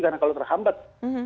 karena kalau terhambat